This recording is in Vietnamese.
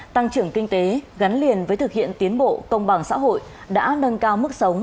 tăng trưởng kinh tế gắn liền với thực hiện tiến bộ công bằng xã hội đã nâng cao mức sống